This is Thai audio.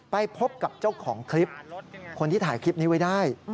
ไปพบกับเจ้าของคลิปคนที่ถ่ายคลิปนี้ไว้ได้